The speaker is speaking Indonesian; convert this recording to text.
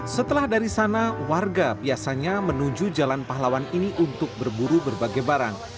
setelah dari sana warga biasanya menuju jalan pahlawan ini untuk berburu berbagai barang